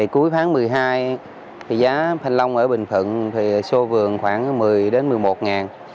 cuối tháng một mươi hai thì giá thanh long ở bình thuận số vườn khoảng một mươi một mươi một